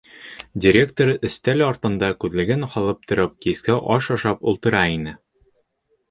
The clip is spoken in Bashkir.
Директор өҫтәл артында, күҙлеген һалып тороп, киске аш ашап ултыра ине.